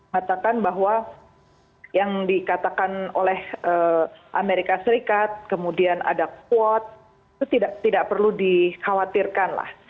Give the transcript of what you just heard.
katakan bahwa yang dikatakan oleh amerika serikat kemudian ada kuot itu tidak perlu dikhawatirkan